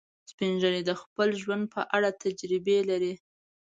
سپین ږیری د خپل ژوند په اړه تجربې لري